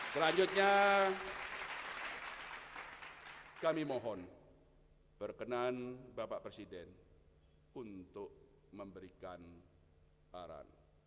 selanjutnya kami mohon berkenan bapak presiden untuk memberikan arahan